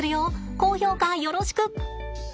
高評価よろしく！